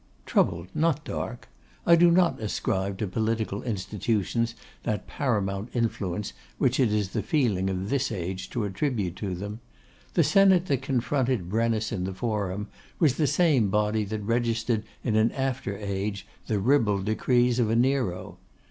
'Troubled, not dark. I do not ascribe to political institutions that paramount influence which it is the feeling of this age to attribute to them. The Senate that confronted Brennus in the Forum was the same body that registered in an after age the ribald decrees of a Nero.